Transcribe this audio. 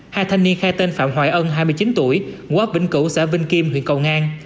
hai thanh niên khai tên phạm hoài ân hai mươi chín tuổi quốc vĩnh cửu xã vinh kim huyện cầu ngang